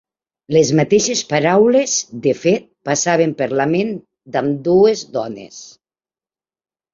Les mateixes paraules, de fet, passaven per la ment d'ambdues dones.